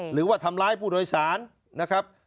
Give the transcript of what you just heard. หรือว่าทำร้ายผู้โดยสารนะครับ